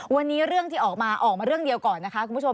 วันนี้เรื่องที่ออกมาออกมาเรื่องเดียวก่อนนะคะคุณผู้ชม